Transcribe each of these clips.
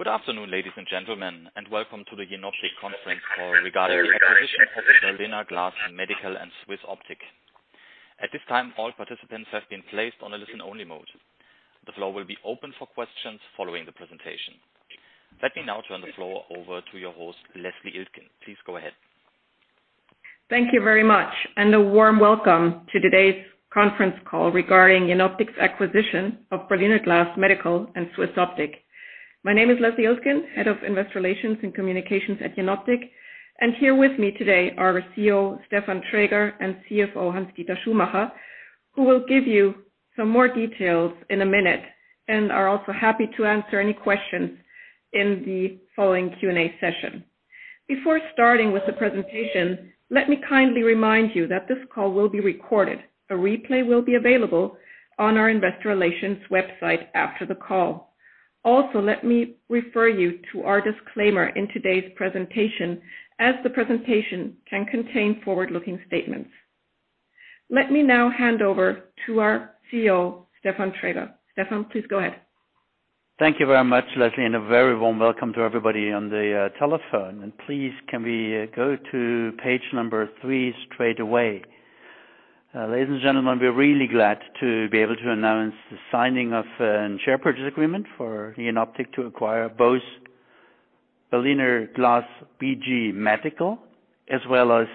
Good afternoon, ladies and gentlemen, and welcome to the Jenoptik conference call regarding the acquisition of Berliner Glas Medical and SwissOptic. At this time, all participants have been placed on a listen-only mode. The floor will be open for questions following the presentation. Let me now turn the floor over to your host, Leslie Iltgen. Please go ahead. Thank you very much, a warm welcome to today's conference call regarding Jenoptik's acquisition of Berliner Glas Medical and SwissOptic. My name is Leslie Iltgen, head of Investor Relations and Communications at Jenoptik, here with me today are CEO Stefan Traeger and CFO Hans-Dieter Schumacher, who will give you some more details in a minute and are also happy to answer any questions in the following Q&A session. Before starting with the presentation, let me kindly remind you that this call will be recorded. A replay will be available on our investor relations website after the call. Let me refer you to our disclaimer in today's presentation, as the presentation can contain forward-looking statements. Let me now hand over to our CEO, Stefan Traeger. Stefan, please go ahead. Thank you very much, Leslie, and a very warm welcome to everybody on the telephone. Please, can we go to page number three straight away? Ladies and gentlemen, we're really glad to be able to announce the signing of a share purchase agreement for Jenoptik to acquire both Berliner Glas BG Medical as well as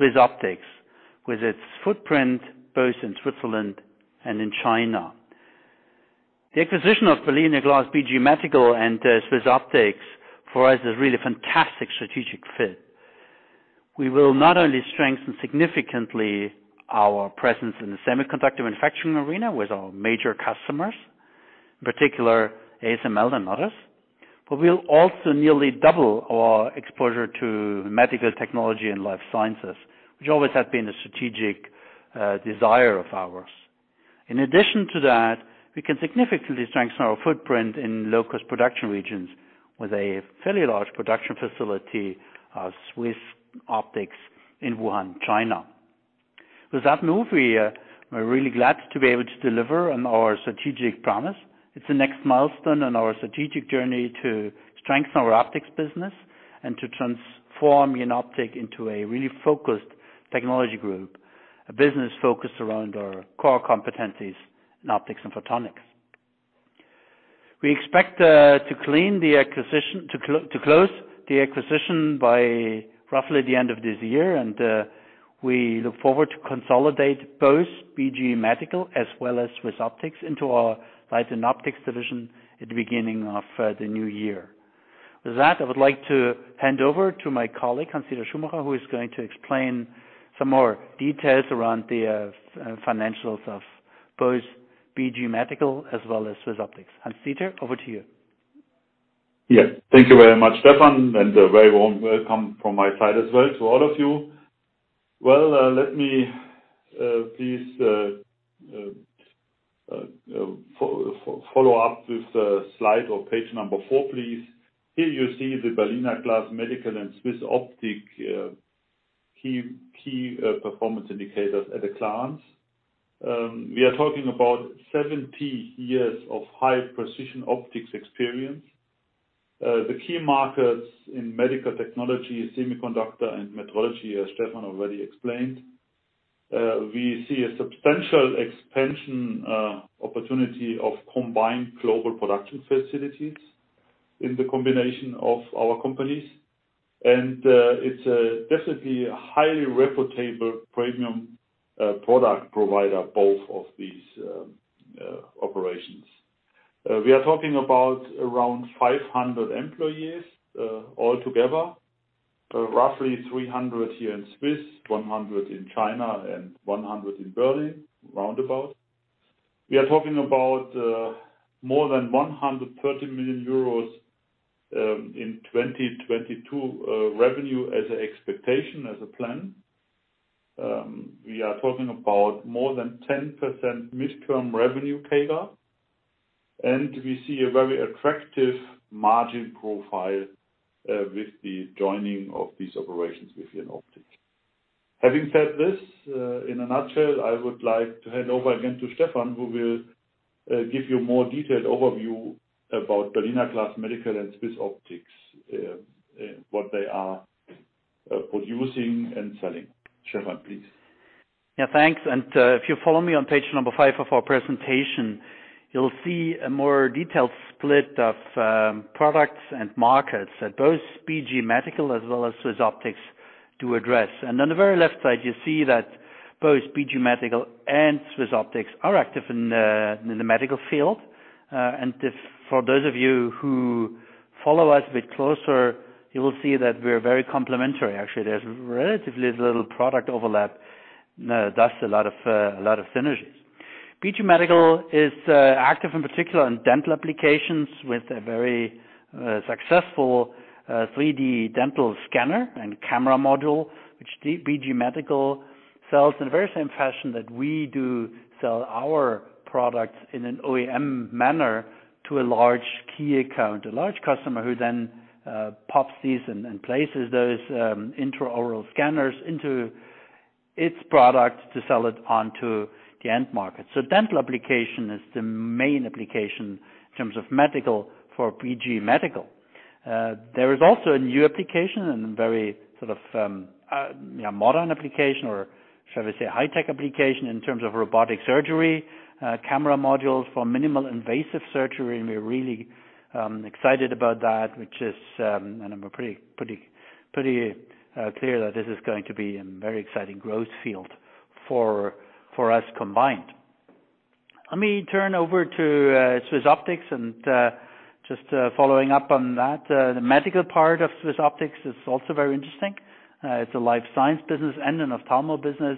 SwissOptic, with its footprint both in Switzerland and in China. The acquisition of Berliner Glas BG Medical and SwissOptic for us is a really fantastic strategic fit. We will not only strengthen significantly our presence in the semiconductor manufacturing arena with our major customers, in particular ASML and others, but we'll also nearly double our exposure to medical technology and life sciences, which always has been a strategic desire of ours. In addition to that, we can significantly strengthen our footprint in low-cost production regions with a fairly large production facility of SwissOptic in Wuhan, China. With that move, we are really glad to be able to deliver on our strategic promise. It's the next milestone on our strategic journey to strengthen our optics business and to transform Jenoptik into a really focused technology group, a business focused around our core competencies in optics and photonics. We expect to close the acquisition by roughly the end of this year, and we look forward to consolidate both BG Medical as well as SwissOptic into our Light & Optics division at the beginning of the new year. With that, I would like to hand over to my colleague, Hans-Dieter Schumacher, who is going to explain some more details around the financials of both BG Medical as well as SwissOptic. Hans-Dieter, over to you. Yes. Thank you very much, Stefan, and a very warm welcome from my side as well to all of you. Well, let me please follow up with the slide or page number four, please. Here you see the Berliner Glas Medical and SwissOptic key performance indicators at a glance. We are talking about 70 years of high-precision optics experience. The key markets in medical technology is semiconductor and metrology, as Stefan already explained. We see a substantial expansion opportunity of combined global production facilities in the combination of our companies. It's definitely a highly reputable premium product provider, both of these operations. We are talking about around 500 employees altogether, roughly 300 here in Swiss, 100 in China and 100 in Berlin, roundabout. We are talking about more than 130 million euros in 2022 revenue as an expectation, as a plan. We are talking about more than 10% midterm revenue CAGR. We see a very attractive margin profile with the joining of these operations with Jenoptik. Having said this, in a nutshell, I would like to hand over again to Stefan, who will give you more detailed overview about Berliner Glas Medical and SwissOptic, what they are producing and selling. Stefan, please. Yeah, thanks. If you follow me on page number five of our presentation, you'll see a more detailed split of products and markets that both BG Medical as well as SwissOptic do address. On the very left side, you see that both BG Medical and SwissOptic are active in the medical field. For those of you who follow us a bit closer, you will see that we're very complementary. Actually, there's relatively little product overlap, thus a lot of synergies. BG Medical is active in particular in dental applications with a very successful 3D dental scanner and camera module, which BG Medical sells in the very same fashion that we do sell our products in an OEM manner to a large key account, a large customer who then pops these and places those intraoral scanners into its product to sell it onto the end market. Dental application is the main application in terms of medical for BG Medical. There is also a new application and very sort of modern application, or shall we say, high-tech application in terms of robotic surgery, camera modules for minimal invasive surgery, and we're really excited about that, which is, and I'm pretty clear that this is going to be a very exciting growth field for us combined. Let me turn over to SwissOptic and just following up on that. The medical part of SwissOptic is also very interesting. It's a life science business and an ophthalmo business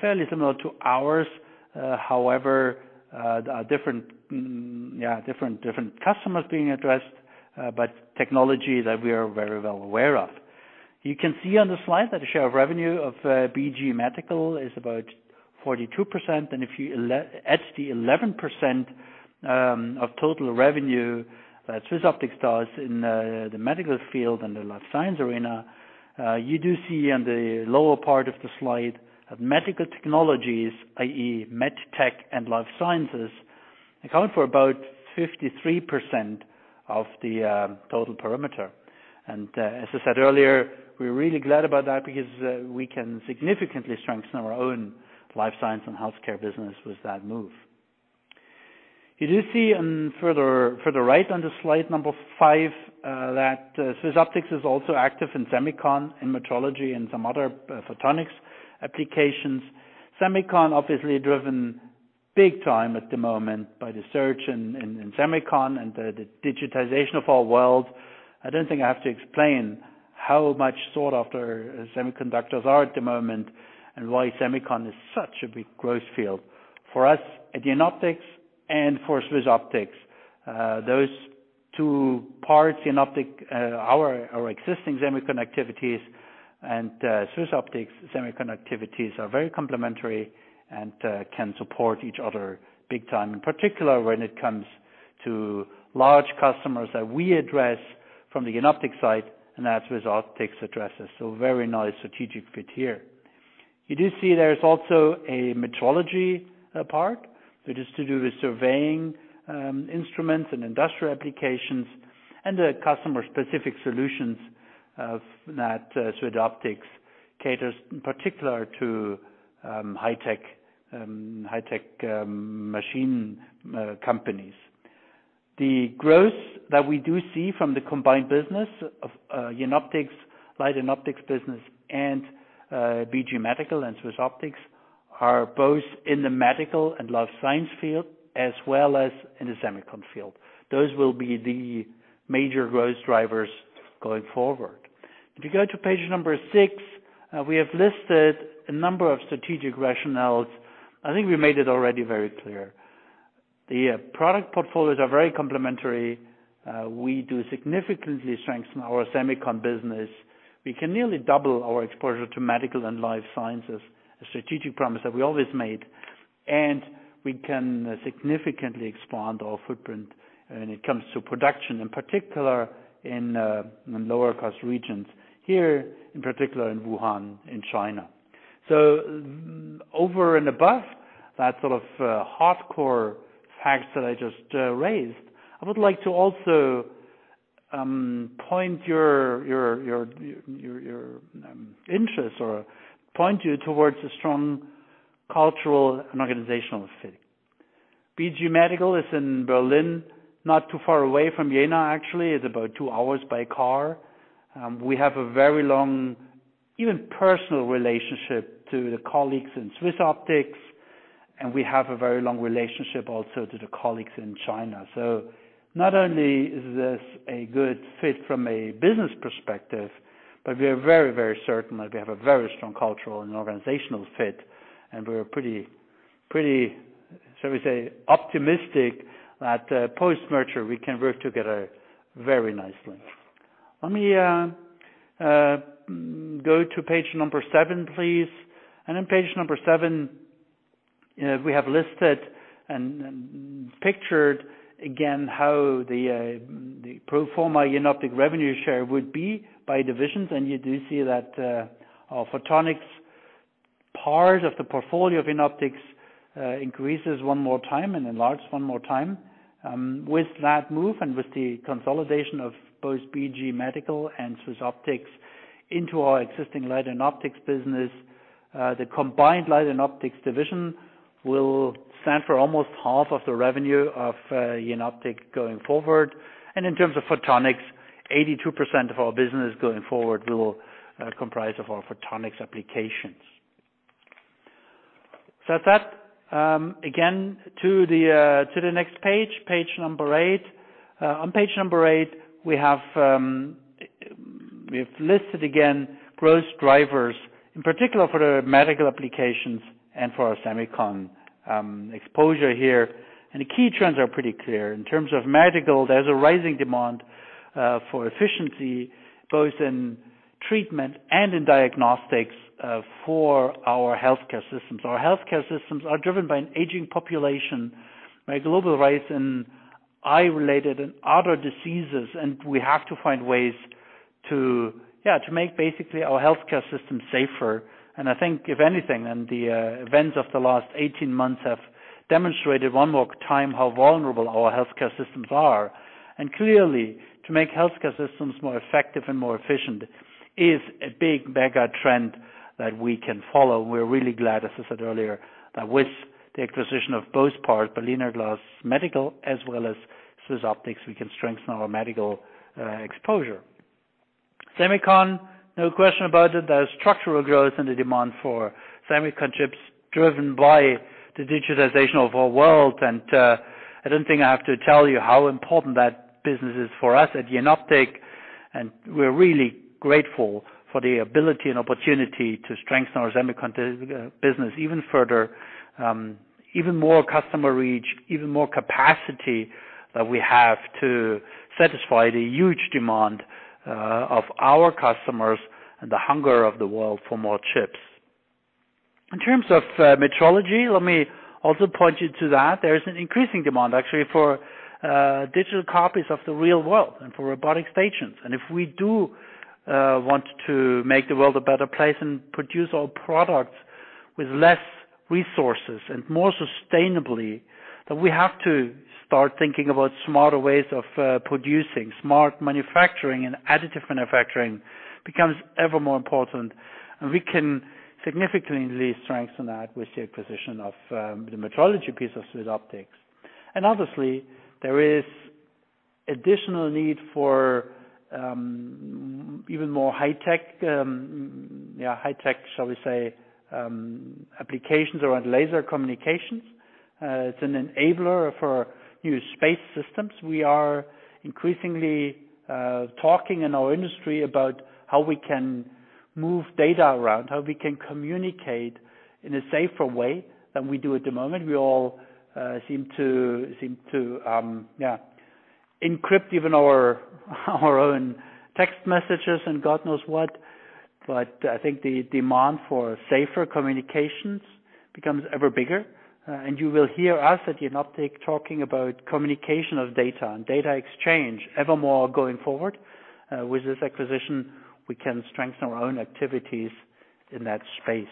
fairly similar to ours, however, different customers being addressed, but technology that we are very well aware of. You can see on the slide that the share of revenue of BG Medical is about 42%, and if you add the 11% of total revenue that SwissOptic does in the medical field and the life science arena, you do see on the lower part of the slide that medical technologies, i.e. med tech and life sciences, account for about 53% of the total perimeter. As I said earlier, we're really glad about that because we can significantly strengthen our own life science and healthcare business with that move. You do see on further right on the slide number five that SwissOptic is also active in semicon, in metrology, and some other photonics applications. semicon obviously driven big time at the moment by the surge in semicon and the digitization of our world. I don't think I have to explain how much sought after semiconductors are at the moment and why semicon is such a big growth field. For us at Jenoptik and for SwissOptic, those two parts, Jenoptik our existing semicon activities and SwissOptic semicon activities are very complementary and can support each other big time, in particular when it comes to large customers that we address from the Jenoptik side and as SwissOptic addresses. Very nice strategic fit here. You do see there's also a metrology part, which is to do with surveying instruments and industrial applications and the customer-specific solutions of that SwissOptic caters in particular to high-tech machine companies. The growth that we do see from the combined business of Jenoptik's Light & Optics business and BG Medical and SwissOptic are both in the medical and life science field as well as in the semicon field. Those will be the major growth drivers going forward. If you go to page number six, we have listed a number of strategic rationales. I think we made it already very clear. The product portfolios are very complementary. We do significantly strengthen our semicon business. We can nearly double our exposure to medical and life sciences, a strategic promise that we always made, and we can significantly expand our footprint when it comes to production, in particular in lower cost regions, here, in particular in Wuhan, in China. Over and above that sort of hardcore facts that I just raised, I would like to also point your interest or point you towards a strong cultural and organizational fit. BG Medical is in Berlin, not too far away from Jena, actually. It's about two hours by car. We have a very long, even personal relationship to the colleagues in SwissOptic, and we have a very long relationship also to the colleagues in China. Not only is this a good fit from a business perspective, but we are very, very certain that we have a very strong cultural and organizational fit, and we're pretty, shall we say, optimistic that post-merger, we can work together very nicely. Let me go to page number seven, please. On page number seven, we have listed and pictured again how the pro forma Jenoptik revenue share would be by divisions. You do see that our photonics part of the portfolio of Jenoptik increases one more time and enlarge one more time. With that move and with the consolidation of both BG Medical and SwissOptic into our existing Light & Optics business, the combined Light & Optics division will stand for almost 1/2 of the revenue of Jenoptik going forward. In terms of photonics, 82% of our business going forward will comprise of our photonics applications. With that, again, to the next page, page number eight. On page number eight, we have listed again growth drivers, in particular for the medical applications and for our semicon exposure here. The key trends are pretty clear. In terms of medical, there's a rising demand for efficiency, both in treatment and in diagnostics for our healthcare systems. Our healthcare systems are driven by an aging population by a global rise in eye-related and other diseases, we have to find ways to make basically our healthcare system safer. I think if anything, and the events of the last 18 months have demonstrated one more time how vulnerable our healthcare systems are. Clearly, to make healthcare systems more effective and more efficient is a big megatrend that we can follow. We're really glad, as I said earlier, that with the acquisition of both parts, Berliner Glas Medical as well as SwissOptic, we can strengthen our medical exposure. Semicon, no question about it, there is structural growth in the demand for semicon chips driven by the digitization of our world. I don't think I have to tell you how important that business is for us at Jenoptik, and we're really grateful for the ability and opportunity to strengthen our semiconductor business even further. Even more customer reach, even more capacity that we have to satisfy the huge demand of our customers and the hunger of the world for more chips. In terms of metrology, let me also point you to that. There is an increasing demand actually for digital copies of the real world and for robotic stations. If we do want to make the world a better place and produce our products with less resources and more sustainably, then we have to start thinking about smarter ways of producing. Smart manufacturing and additive manufacturing becomes ever more important. We can significantly strengthen that with the acquisition of the metrology piece of SwissOptic. Obviously, there is additional need for even more high tech, shall we say, applications around laser communications. It's an enabler for new space systems. We are increasingly talking in our industry about how we can move data around, how we can communicate in a safer way than we do at the moment. We all seem to encrypt even our own text messages and God knows what. I think the demand for safer communications becomes ever bigger. You will hear us at Jenoptik talking about communication of data and data exchange evermore going forward. With this acquisition, we can strengthen our own activities in that space.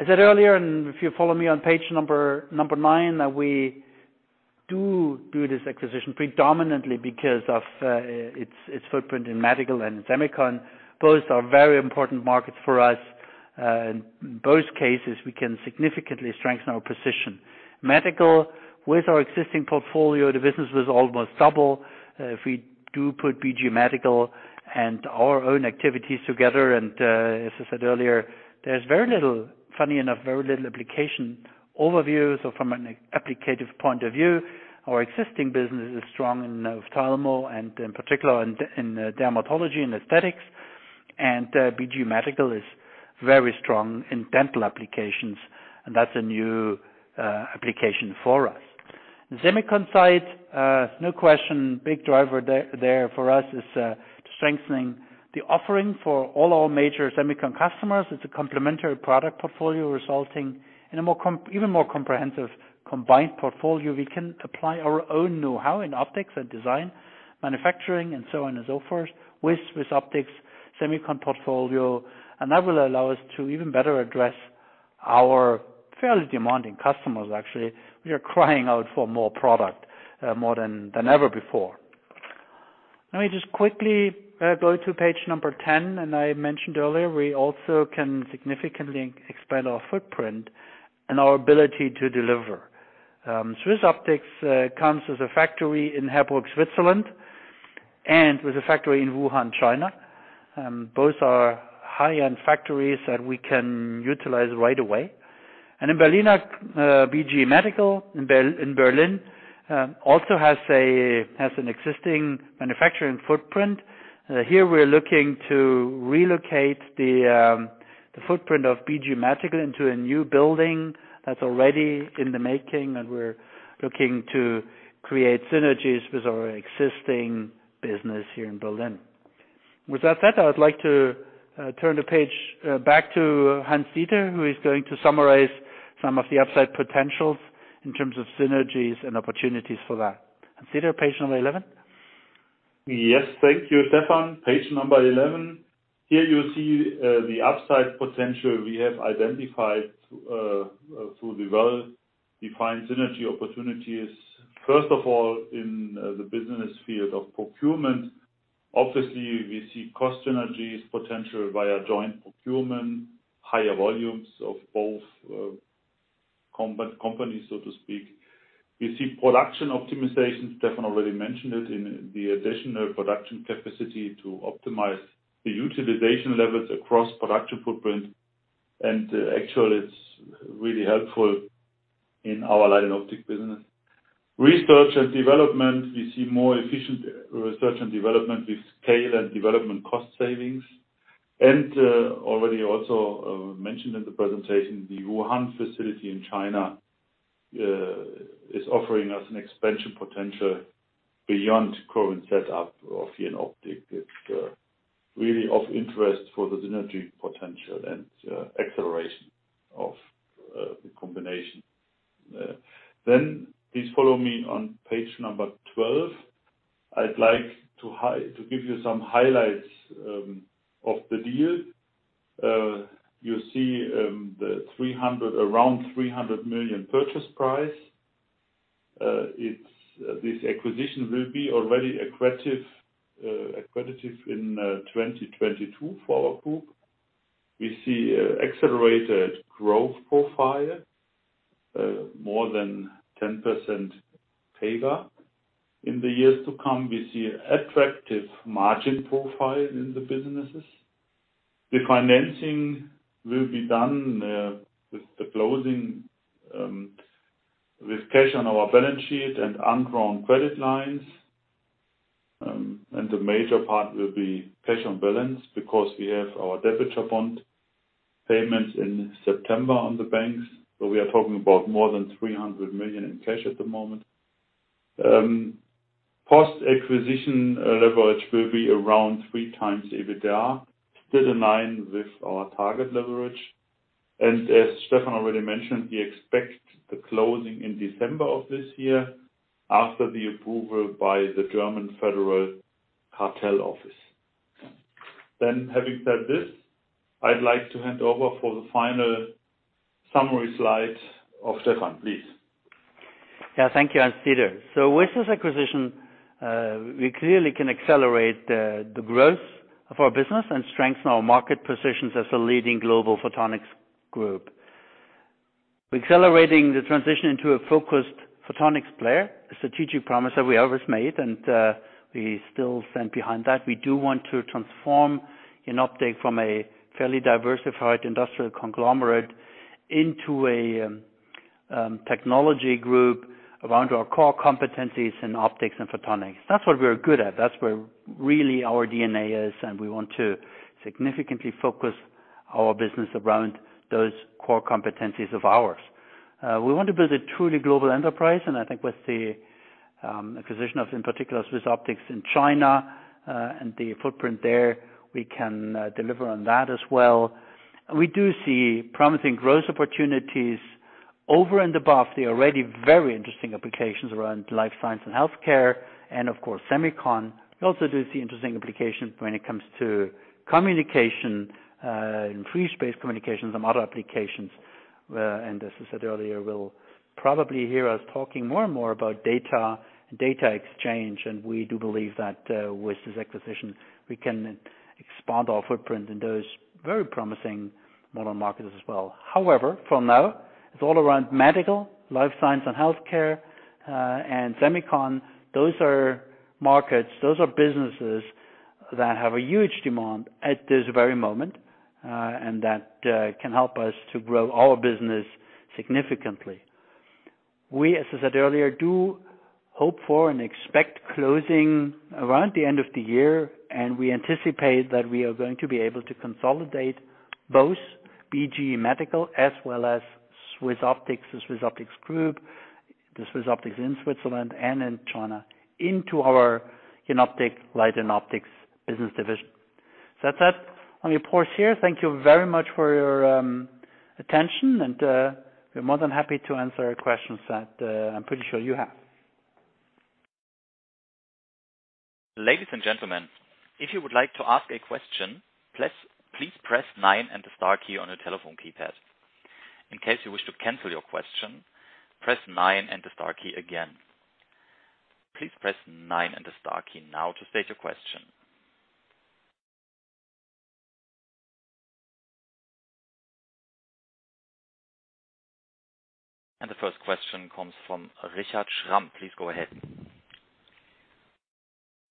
I said earlier, and if you follow me on page number nine, that we do this acquisition predominantly because of its footprint in medical and in semiconductor. Both are very important markets for us. In both cases, we can significantly strengthen our position. Medical, with our existing portfolio, the business was almost double. If we do put BG Medical and our own activities together, and as I said earlier, there's, funny enough, very little application overviews or from an applicative point of view. Our existing business is strong in ophthalmo and in particular in dermatology and aesthetics. BG Medical is very strong in dental applications, and that's a new application for us. Semicon side, no question, big driver there for us is strengthening the offering for all our major semicon customers. It's a complementary product portfolio resulting in an even more comprehensive combined portfolio. We can apply our own know-how in optics and design, manufacturing, and so on and so forth with SwissOptic semicon portfolio. That will allow us to even better address our fairly demanding customers, actually, who are crying out for more product more than ever before. Let me just quickly go to page number 10. I mentioned earlier, we also can significantly expand our footprint and our ability to deliver. SwissOptic comes with a factory in Heerbrugg, Switzerland, and with a factory in Wuhan, China. Both are high-end factories that we can utilize right away. BG Medical in Berlin also has an existing manufacturing footprint. Here we're looking to relocate the footprint of BG Medical into a new building that's already in the making, and we're looking to create synergies with our existing business here in Berlin. With that said, I would like to turn the page back to Hans-Dieter, who is going to summarize some of the upside potentials in terms of synergies and opportunities for that. Hans-Dieter, page number 11. Yes. Thank you, Stefan. Page number 11. Here you see the upside potential we have identified through the well-defined synergy opportunities. In the business field of procurement. Obviously, we see cost synergies potential via joint procurement, higher volumes of both companies, so to speak. We see production optimization, Stefan already mentioned it, in the additional production capacity to optimize the utilization levels across production footprint. Actually, it's really helpful in our line of optic business. Research and development, we see more efficient research and development with scale and development cost savings. Already also mentioned in the presentation, the Wuhan facility in China is offering us an expansion potential beyond current setup of Jenoptik. It's really of interest for the synergy potential and acceleration of the combination. Please follow me on page number 12. I'd like to give you some highlights of the deal. You see around 300 million purchase price. This acquisition will be already accretive in 2022 for our group. We see accelerated growth profile, more than 10% CAGR. In the years to come, we see attractive margin profile in the businesses. The financing will be done with the closing with cash on our balance sheet and undrawn credit lines. The major part will be cash on balance because we have our debenture bond payments in September on the banks, so we are talking about more than 300 million in cash at the moment. Post-acquisition leverage will be around 3x EBITDA, still in line with our target leverage. As Stefan already mentioned, we expect the closing in December of this year after the approval by the German Federal Cartel Office. Having said this, I'd like to hand over for the final summary slide of Stefan, please. Yeah. Thank you, Hans-Dieter. With this acquisition, we clearly can accelerate the growth of our business and strengthen our market positions as a leading global photonics group. We're accelerating the transition into a focused photonics player, a strategic promise that we always made and we still stand behind that. We do want to transform Jenoptik from a fairly diversified industrial conglomerate into a technology group around our core competencies in optics and photonics. That's what we're good at. That's where really our DNA is, and we want to significantly focus our business around those core competencies of ours. We want to build a truly global enterprise, and I think with the acquisition of, in particular, SwissOptic in China, and the footprint there, we can deliver on that as well. We do see promising growth opportunities over and above the already very interesting applications around life science and healthcare and of course, semicon. We also do see interesting applications when it comes to communication, increased base communications and other applications. As I said earlier, you will probably hear us talking more and more about data exchange, and we do believe that with this acquisition, we can expand our footprint in those very promising modern markets as well. However, for now, it's all around medical, life science and healthcare, and semicon. Those are markets, those are businesses that have a huge demand at this very moment, and that can help us to grow our business significantly. We, as I said earlier, do hope for and expect closing around the end of the year, and we anticipate that we are going to be able to consolidate both BG Medical as well as SwissOptic, the SwissOptic Group, the SwissOptic in Switzerland and in China, into our Jenoptik Light & Optics business division. That's that on your portion here. Thank you very much for your attention, and we're more than happy to answer any questions that I'm pretty sure you have. Ladies and gentlemen, if you would like to ask a question, please press nine and the star key on the telephone keypad. In case you need to cancel your question, press nine and the star key again. Please press nine and the star key now to state your question. The first question comes from Richard Schram. Please go ahead.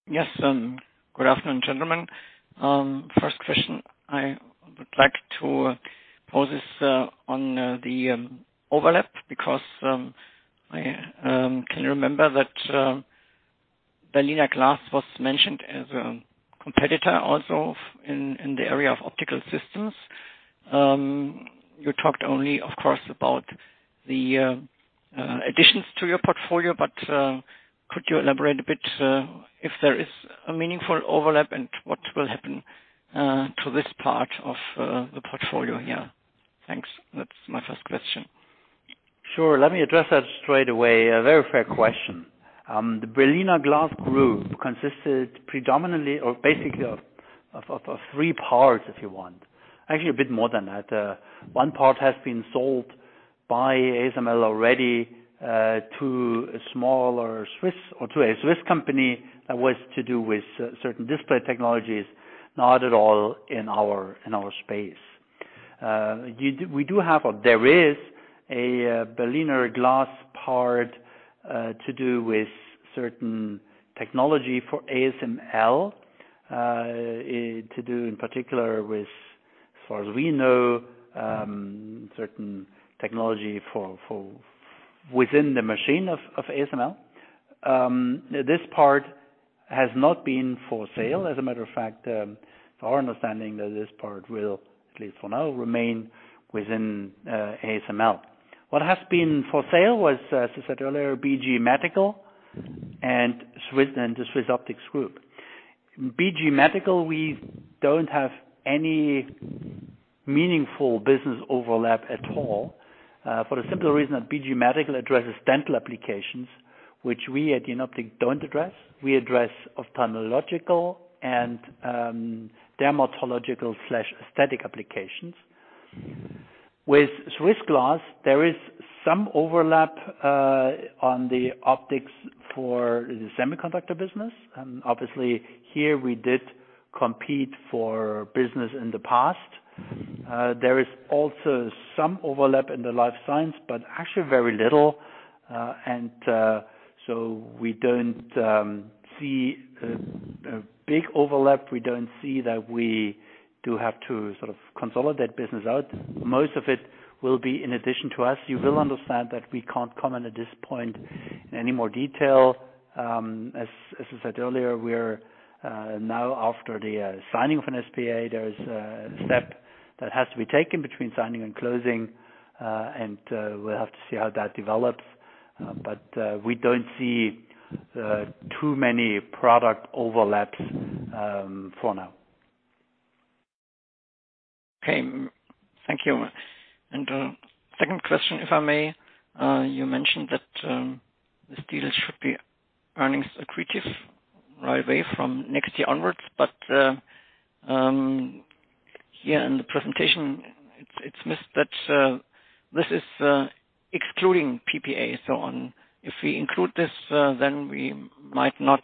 Yes. Good afternoon, gentlemen. First question, I would like to pose this on the overlap because I can remember that Berliner Glas was mentioned as a competitor also in the area of optical systems. You talked only, of course, about the additions to your portfolio. Could you elaborate a bit if there is a meaningful overlap and what will happen to this part of the portfolio here? Thanks. That's my first question. Sure. Let me address that straight away. A very fair question. The Berliner Glas Group consisted predominantly of basically of three parts, if you want. Actually, a bit more than that. One part has been sold by ASML already to a Swiss company that was to do with certain display technologies, not at all in our space. There is a Berliner Glas part to do with certain technology for ASML, to do in particular with, as far as we know, certain technology within the machine of ASML. This part has not been for sale. As a matter of fact, our understanding that this part will, at least for now, remain within ASML. What has been for sale was, as I said earlier, BG Medical and the SwissOptic Group. BG Medical, we don't have any meaningful business overlap at all for the simple reason that BG Medical addresses dental applications, which we at Jenoptik don't address. We address ophthalmological and dermatological/aesthetic applications. With SwissOptic, there is some overlap on the optics for the semiconductor business. Obviously, here we did compete for business in the past. There is also some overlap in the life science, but actually very little. We don't see a big overlap. We don't see that we do have to sort of consolidate business out. Most of it will be in addition to us. You will understand that we can't comment at this point in any more detail. As I said earlier, we're now after the signing of an SPA, there's a step that has to be taken between signing and closing, we'll have to see how that develops. We don't see too many product overlaps for now. Okay. Thank you. Second question, if I may? You mentioned that this deal should be earnings accretive right away from next year onwards. Here in the presentation, it's missed that this is excluding PPA, so on. If we include this, then we might not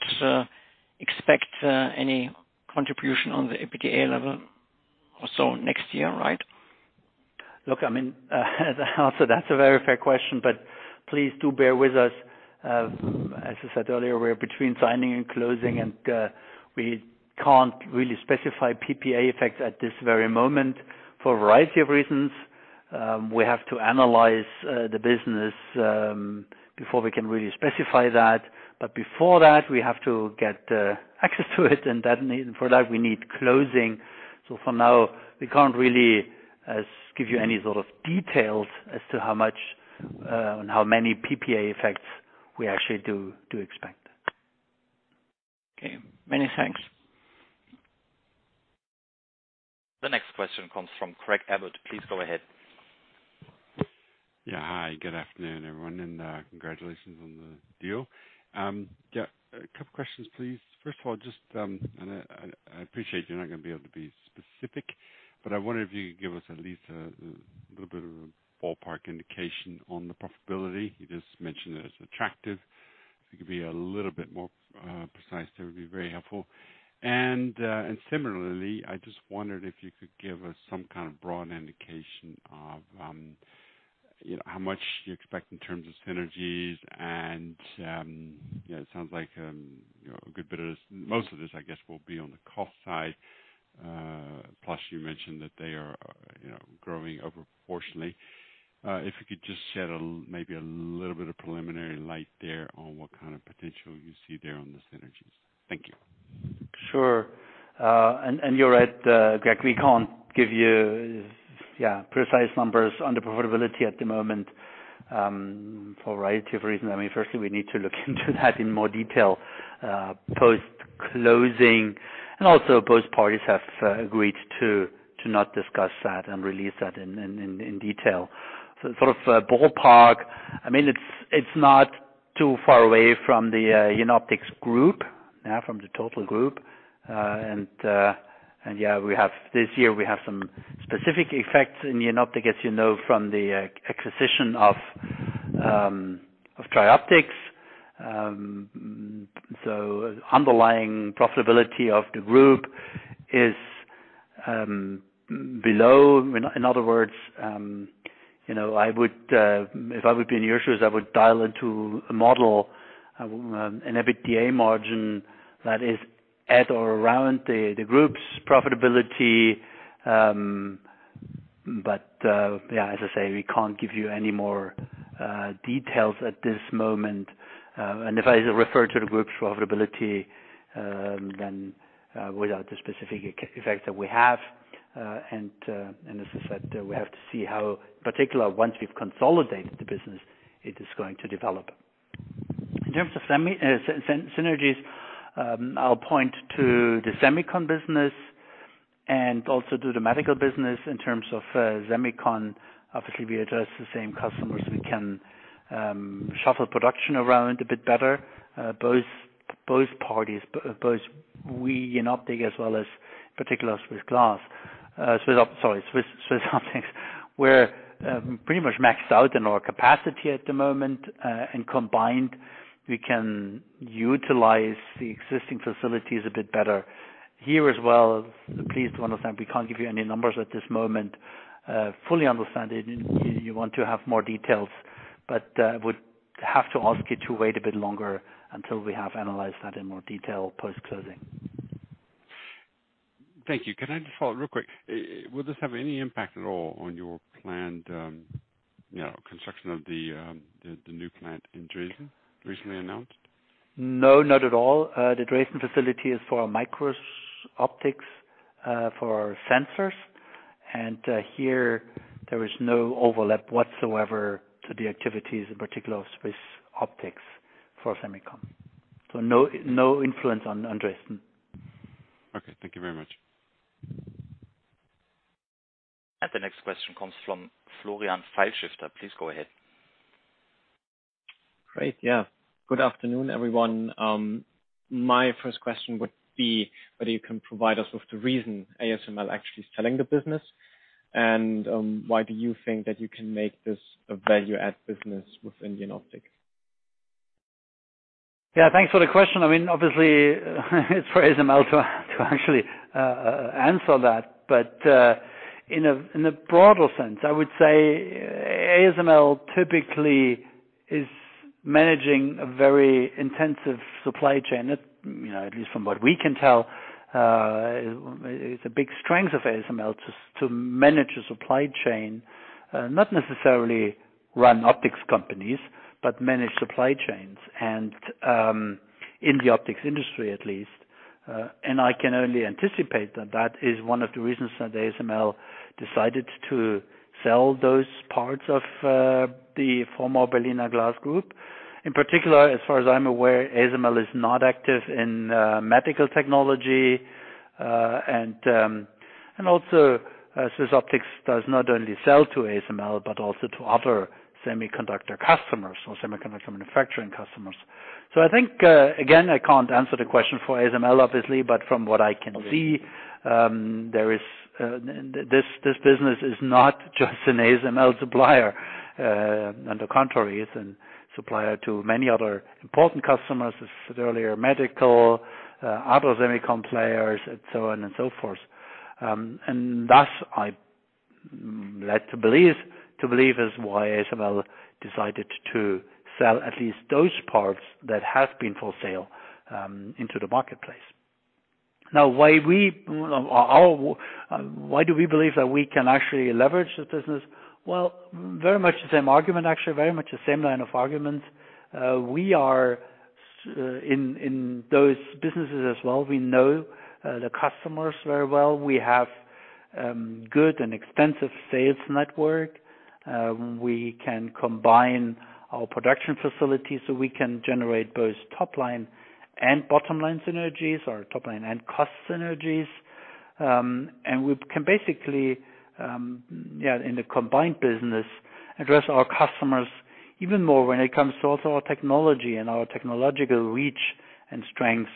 expect any contribution on the EBITDA level or so next year, right? Look, I mean, also that's a very fair question, but please do bear with us. As I said earlier, we're between signing and closing, and we can't really specify PPA effects at this very moment for a variety of reasons. We have to analyze the business before we can really specify that. Before that, we have to get access to it, and for that, we need closing. For now, we can't really give you any sort of details as to how much and how many PPA effects we actually do expect. Okay. Many thanks. The next question comes from Craig Abbott. Please go ahead. Yeah. Hi, good afternoon, everyone. Congratulations on the deal. Yeah, a couple questions, please. First of all, I appreciate you're not going to be able to be specific, but I wonder if you could give us at least a little bit of a ballpark indication on the profitability. You just mentioned that it's attractive. If you could be a little bit more precise, that would be very helpful. Similarly, I just wondered if you could give us some kind of broad indication of how much you expect in terms of synergies and, it sounds like a good bit of this, most of this, I guess, will be on the cost side. Plus, you mentioned that they are growing over proportionally. If you could just shed maybe a little bit of preliminary light there on what kind of potential you see there on the synergies. Thank you. Sure. You're right, Craig, we can't give you precise numbers on the profitability at the moment, for a variety of reasons. I mean, firstly, we need to look into that in more detail post-closing, also both parties have agreed to not discuss that and release that in detail. Sort of a ballpark, I mean, it's not too far away from the Jenoptik group, from the total group. Yeah, this year we have some specific effects in Jenoptik, as you know, from the acquisition of TRIOPTICS. Underlying profitability of the group is below. In other words, if I would be in your shoes, I would dial into a model, an EBITDA margin that is at or around the group's profitability. Yeah, as I say, we can't give you any more details at this moment. If I refer to the group's profitability, without the specific effect that we have. As I said, we have to see how particular, once we've consolidated the business, it is going to develop. In terms of synergies, I'll point to the semicon business and also to the medical business. In terms of semicon, obviously we address the same customers. We can shuffle production around a bit better. Both parties, both we, Jenoptik, as well as SwissOptic. We're pretty much maxed out in our capacity at the moment, and combined, we can utilize the existing facilities a bit better. Here as well, please understand we can't give you any numbers at this moment. Fully understand you want to have more details, would have to ask you to wait a bit longer until we have analyzed that in more detail post-closing. Thank you. Can I just follow up real quick? Will this have any impact at all on your planned construction of the new plant in Dresden, recently announced? No, not at all. The Dresden facility is for our micro-optics, for our sensors. Here, there is no overlap whatsoever to the activities, in particular with optics for semicon. No influence on Dresden. Okay. Thank you very much. The next question comes from Florian Pfeilschifter. Please go ahead. Great. Yeah. Good afternoon, everyone. My first question would be whether you can provide us with the reason ASML actually is selling the business, and why do you think that you can make this a value add business within Jenoptik? Yeah, thanks for the question. Obviously it's for ASML to actually answer that. In a broader sense, I would say ASML typically is managing a very intensive supply chain. At least from what we can tell, it's a big strength of ASML to manage a supply chain. Not necessarily run optics companies, but manage supply chains, and in the optics industry, at least. I can only anticipate that is one of the reasons that ASML decided to sell those parts of the former Berliner Glas Group. In particular, as far as I'm aware, ASML is not active in medical technology. Also, SwissOptic does not only sell to ASML, but also to other semiconductor customers or semiconductor manufacturing customers. I think, again, I can't answer the question for ASML, obviously. From what I can see, this business is not just an ASML supplier. On the contrary, it's a supplier to many other important customers, as said earlier, medical, other semicon players, and so on and so forth. Thus, I'm led to believe is why ASML decided to sell at least those parts that have been for sale into the marketplace. Now, why do we believe that we can actually leverage this business? Well, very much the same argument, actually. Very much the same line of argument. We are in those businesses as well. We know the customers very well. We have good and extensive sales network. We can combine our production facilities so we can generate both top-line and bottom-line synergies, or top-line and cost synergies. We can basically, in the combined business, address our customers even more when it comes to also our technology and our technological reach and strengths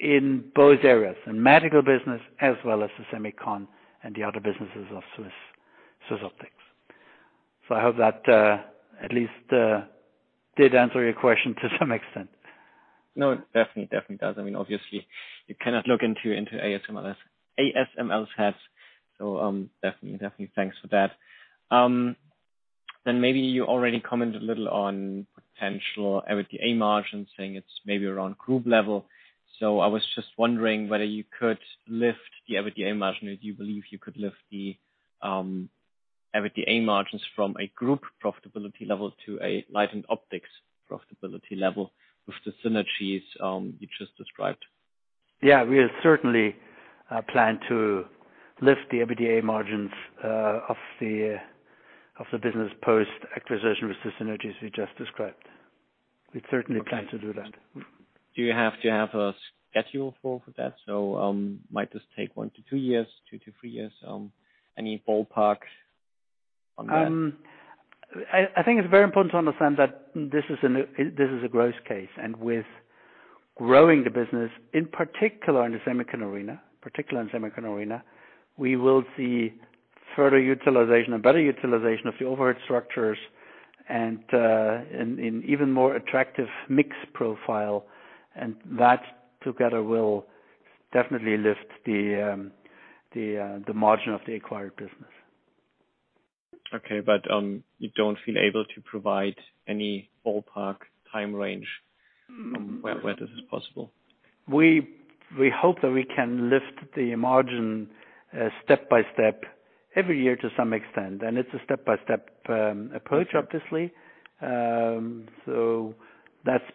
in both areas, in medical business, as well as the semicon and the other businesses of SwissOptic. I hope that at least did answer your question to some extent. No, it definitely does. Obviously you cannot look into ASML's hats. Definitely, thanks for that. Maybe you already commented a little on potential EBITDA margins, saying it's maybe around group level. I was just wondering whether you could lift the EBITDA margin. Do you believe you could lift the EBITDA margins from a group profitability level to a Light & Optics profitability level with the synergies you just described? Yeah. We certainly plan to lift the EBITDA margins of the business post-acquisition with the synergies we just described. We certainly plan to do that. Do you have a schedule for that? Might this take one to two years, two to three years? Any ballpark on that? I think it's very important to understand that this is a growth case. With growing the business, in particular in the semicon arena, we will see further utilization and better utilization of the overhead structures and in even more attractive mix profile. That together will definitely lift the margin of the acquired business. Okay. You don't feel able to provide any ballpark time range? On when this is possible? We hope that we can lift the margin step by step every year to some extent. It's a step-by-step approach, obviously. That's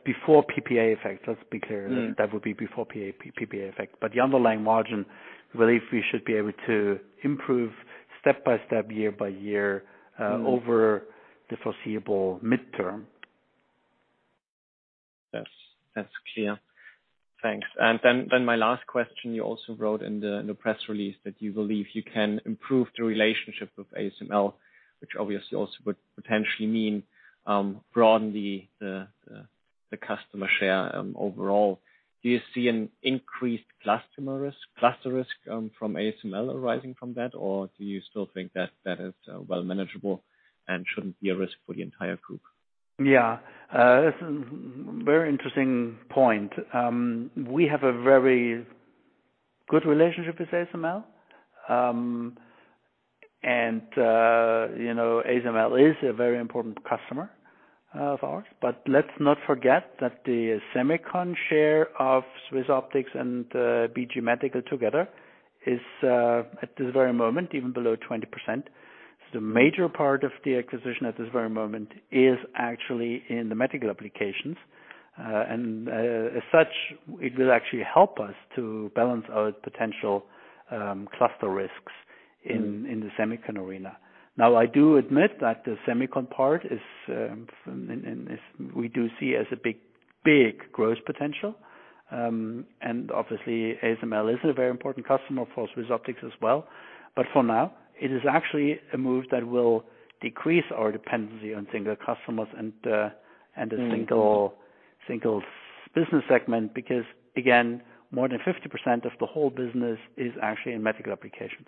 before PPA effect. Let's be clear. That would be before PPA effect. The underlying margin, we believe we should be able to improve step by step, year by year. Over the foreseeable midterm. Yes. That's clear. Thanks. My last question, you also wrote in the press release that you believe you can improve the relationship with ASML, which obviously also would potentially mean broaden the customer share overall. Do you see an increased cluster risk from ASML arising from that, or do you still think that is well manageable and shouldn't be a risk for the entire group? Yeah. Very interesting point. We have a very good relationship with ASML. ASML is a very important customer of ours. Let's not forget that the semicon share of SwissOptic and BG Medical together is, at this very moment, even below 20%. The major part of the acquisition at this very moment is actually in the medical applications. As such, it will actually help us to balance our potential cluster risks in the semicon arena. I do admit that the semicon part, we do see as a big growth potential. Obviously ASML is a very important customer for SwissOptic as well. For now, it is actually a move that will decrease our dependency on single customers and a single business segment, because, again, more than 50% of the whole business is actually in medical applications.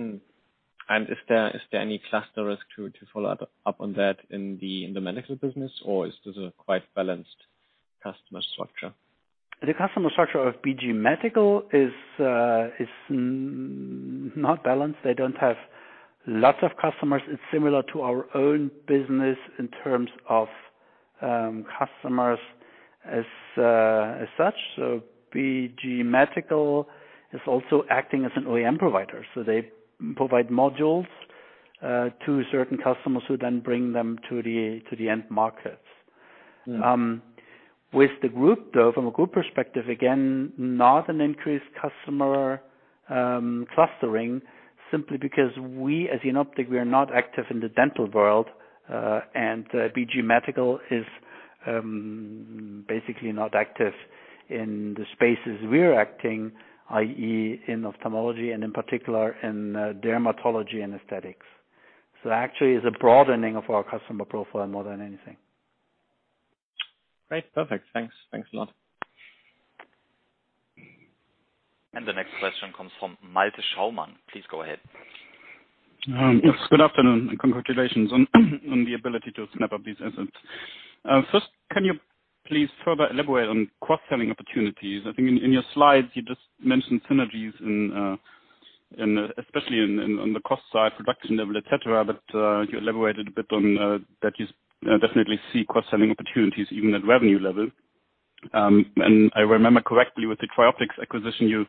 Is there any cluster risk to follow up on that in the medical business, or is this a quite balanced customer structure? The customer structure of BG Medical is not balanced. They don't have lots of customers. It's similar to our own business in terms of customers as such. BG Medical is also acting as an OEM provider. They provide modules to certain customers who then bring them to the end markets. With the group, though, from a group perspective, again, not an increased customer clustering simply because we, as Jenoptik, we are not active in the dental world. BG Medical is basically not active in the spaces we're acting, i.e., in ophthalmology and in particular in dermatology and aesthetics. Actually, it's a broadening of our customer profile more than anything. Great. Perfect. Thanks. Thanks a lot. The next question comes from Malte Schaumann. Please go ahead. Yes, good afternoon, and congratulations on the ability to snap up these assets. First, can you please further elaborate on cross-selling opportunities? I think in your slides, you just mentioned synergies, especially on the cost side, production level, et cetera. You elaborated a bit on that you definitely see cross-selling opportunities even at revenue level. I remember correctly with the TRIOPTICS acquisition, you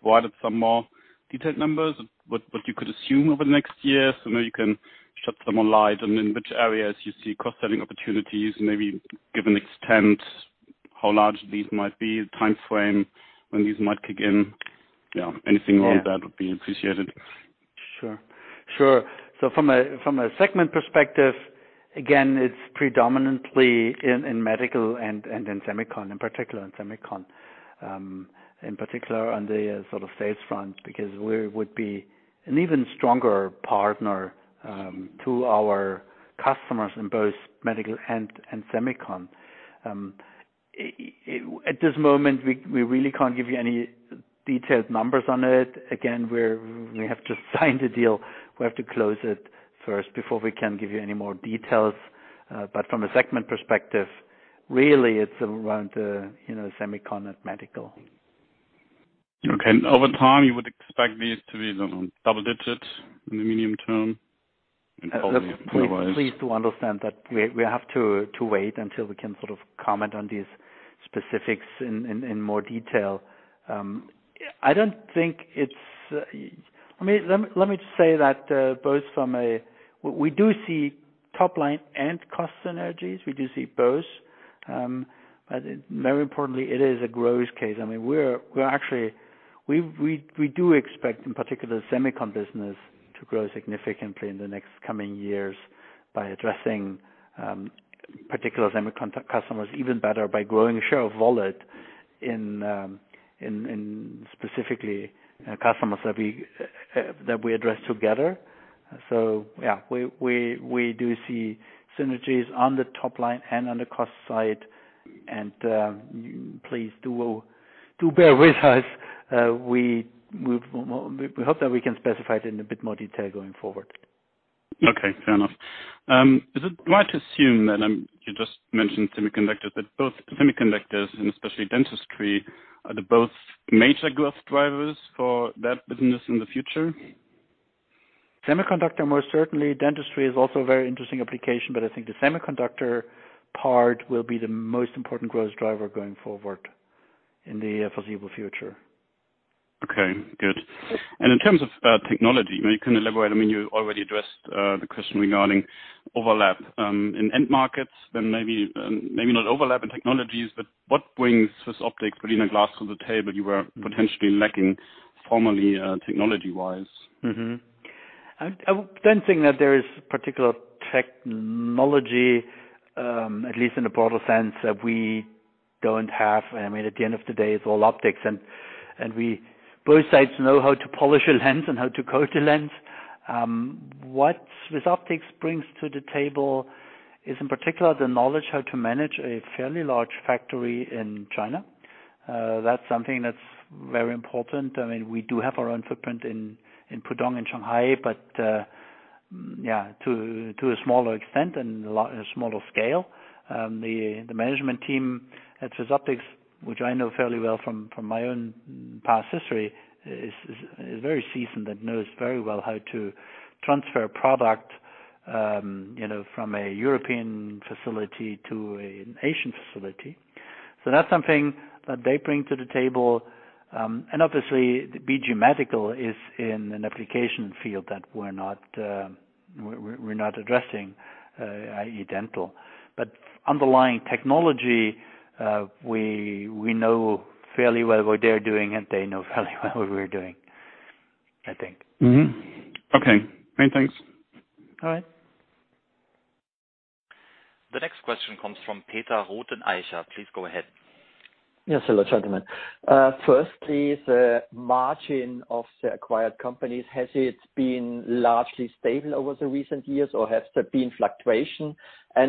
provided some more detailed numbers, what you could assume over the next year. Maybe you can shed some more light on in which areas you see cross-selling opportunities, maybe give an extent how large these might be, the timeframe when these might kick in. Anything along that would be appreciated. Sure. From a segment perspective, again, it's predominantly in medical and in semicon, in particular in semicon. In particular on the sales front, because we would be an even stronger partner to our customers in both medical and semicon. At this moment, we really can't give you any detailed numbers on it. Again, we have to sign the deal. We have to close it first before we can give you any more details. From a segment perspective, really it's around the semicon and medical. Okay. Over time, you would expect these to be, I don't know, double digits in the medium term? Please do understand that we have to wait until we can comment on these specifics in more detail. Let me just say that both. We do see top line and cost synergies. We do see both. Very importantly, it is a growth case. We do expect, in particular the semicon business, to grow significantly in the next coming years by addressing particular semicon customers even better by growing share of wallet in specifically customers that we address together. Yeah, we do see synergies on the top line and on the cost side, and please do bear with us. We hope that we can specify it in a bit more detail going forward. Okay, fair enough. Is it right to assume that, you just mentioned semiconductors, that both semiconductors and especially dentistry, are they both major growth drivers for that business in the future? Semiconductor, most certainly. Dentistry is also a very interesting application, but I think the semiconductor part will be the most important growth driver going forward in the foreseeable future. Okay, good. In terms of technology, can you elaborate? You already addressed the question regarding overlap. In end markets, maybe not overlap in technologies, but what brings SwissOptic, Berliner Glas to the table, you were potentially lacking formerly, technology-wise? Mm-hmm. I don't think that there is particular technology, at least in the broader sense, that we don't have. At the end of the day, it's all optics, and both sides know how to polish a lens and how to coat a lens. What SwissOptic brings to the table is, in particular, the knowledge how to manage a fairly large factory in China. That's something that's very important. We do have our own footprint in Pudong and Shanghai, but, yeah, to a smaller extent and a lot smaller scale. The management team at SwissOptic, which I know fairly well from my own past history is very seasoned and knows very well how to transfer product from a European facility to an Asian facility. That's something that they bring to the table. Obviously, the BG Medical is in an application field that we're not addressing, i.e. dental. Underlying technology, we know fairly well what they're doing and they know fairly well what we're doing, I think. Okay, many thanks. All right. The next question comes from Peter Rothenaicher. Please go ahead. Yes, hello, gentlemen. Firstly, the margin of the acquired companies, has it been largely stable over the recent years or has there been fluctuation?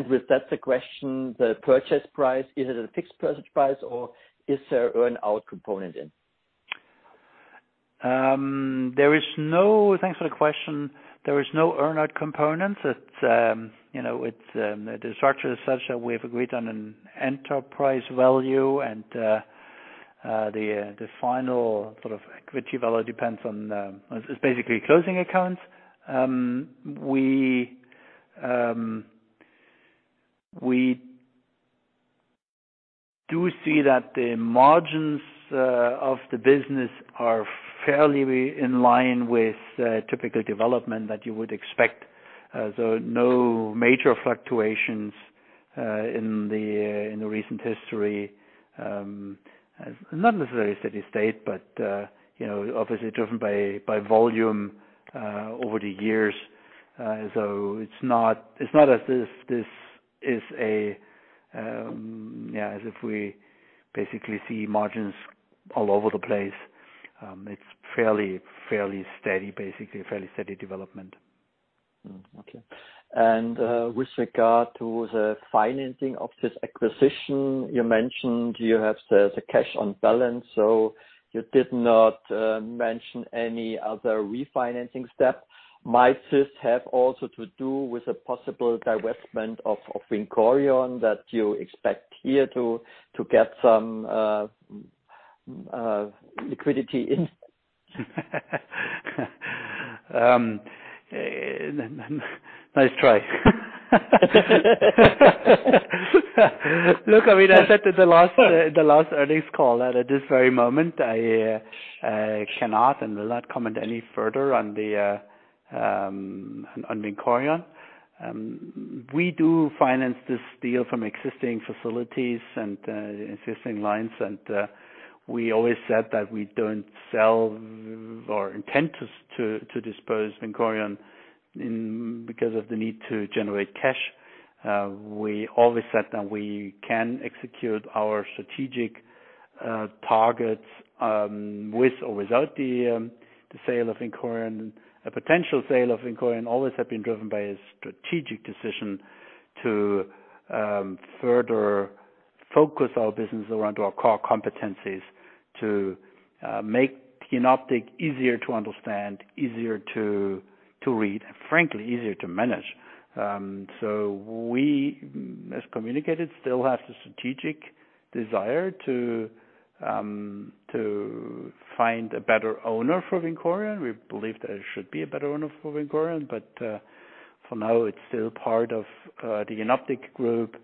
With that question, the purchase price, is it a fixed purchase price or is there earn-out component in? Thanks for the question. There is no earn-out component. The structure is such that we have agreed on an enterprise value and the final sort of equity value depends on, it's basically closing accounts. We do see that the margins of the business are fairly in line with typical development that you would expect. No major fluctuations in the recent history. Not necessarily steady state, obviously driven by volume over the years. It's not as if we basically see margins all over the place. It's basically fairly steady development. Okay. With regard to the financing of this acquisition, you mentioned you have the cash on balance, so you did not mention any other refinancing step. Might this have also to do with a possible divestment of Vincorion that you expect here to get some liquidity in? Nice try. Look, I mean, I said at the last earnings call that at this very moment, I cannot and will not comment any further on Vincorion. We do finance this deal from existing facilities and existing lines. We always said that we don't sell or intend to dispose Vincorion because of the need to generate cash. We always said that we can execute our strategic targets, with or without the sale of Vincorion. A potential sale of Vincorion always have been driven by a strategic decision to further focus our business around our core competencies to make Jenoptik easier to understand, easier to read, and frankly, easier to manage. We, as communicated, still have the strategic desire to find a better owner for Vincorion. We believe there should be a better owner for Vincorion. For now, it's still part of the Jenoptik group.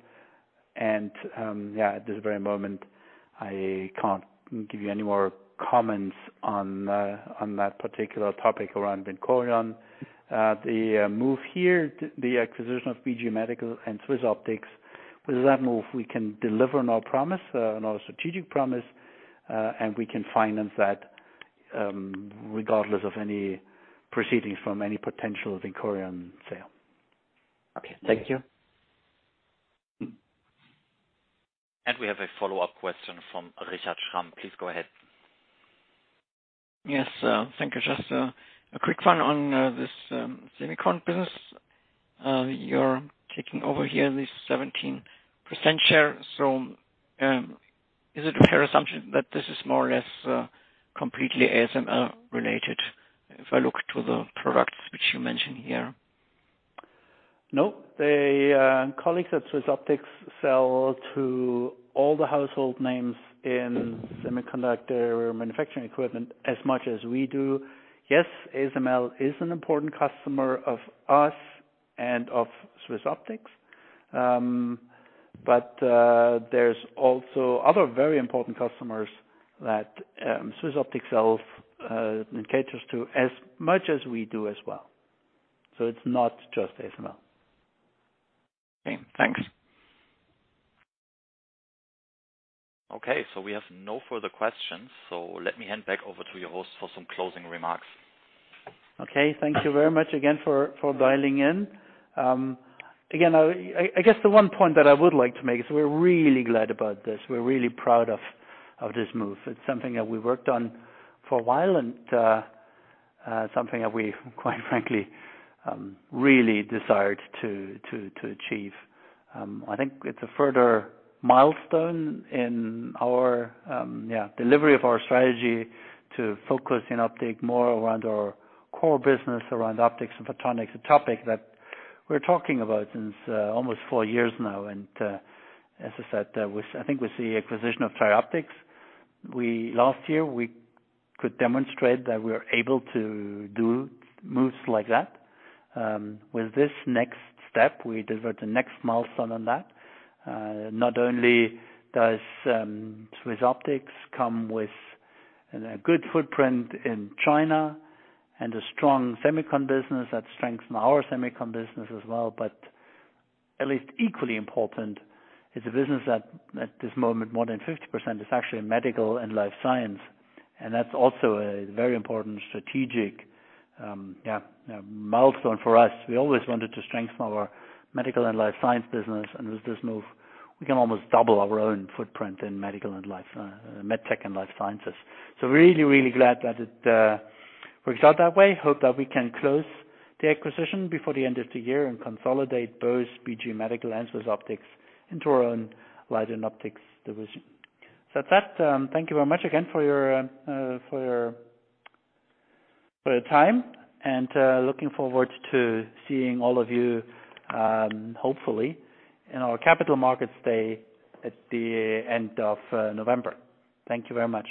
Yeah, at this very moment, I can't give you any more comments on that particular topic around Vincorion. The move here, the acquisition of BG Medical and SwissOptic, with that move, we can deliver on our promise, on our strategic promise, and we can finance that, regardless of any proceedings from any potential Vincorion sale. Okay. Thank you. We have a follow-up question from Richard Schram. Please go ahead. Yes, thank you. Just a quick one on this semicon business. You're taking over here this 17% share. Is it a fair assumption that this is more or less completely ASML related if I look to the products which you mentioned here? No. The colleagues at SwissOptic sell to all the household names in semiconductor manufacturing equipment as much as we do. Yes, ASML is an important customer of us and of SwissOptic. There's also other very important customers that SwissOptic sells, and caters to as much as we do as well. It's not just ASML. Okay, thanks. Okay, we have no further questions, let me hand back over to your host for some closing remarks. Okay. Thank you very much again for dialing in. I guess the one point that I would like to make is we're really glad about this. We're really proud of this move. It's something that we worked on for a while and something that we quite frankly, really desired to achieve. I think it's a further milestone in our delivery of our strategy to focus Jenoptik more around our core business, around optics and photonics, a topic that we're talking about since almost four years now. As I said, I think with the acquisition of TRIOPTICS, last year, we could demonstrate that we're able to do moves like that. With this next step, we deliver the next milestone on that. Not only does SwissOptic come with a good footprint in China and a strong semicon business, that strengthens our semicon business as well, but at least equally important is the business that at this moment, more than 50% is actually medical and life science, and that's also a very important strategic milestone for us. We always wanted to strengthen our medical and life science business. With this move, we can almost double our own footprint in med tech and life sciences. Really, really glad that it works out that way. Hope that we can close the acquisition before the end of the year and consolidate both BG Medical and SwissOptic into our own Light & Optics division. With that, thank you very much again for your time, and looking forward to seeing all of you, hopefully, in our Capital Markets Day at the end of November. Thank you very much.